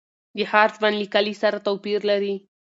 د ښار ژوند له کلي سره توپیر لري.